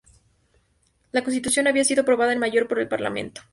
La constitución había sido aprobada en mayo por el parlamento.